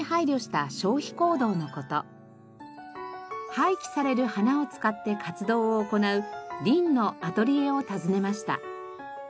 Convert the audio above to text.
廃棄される花を使って活動を行う「ＲＩＮ」のアトリエを訪ねました。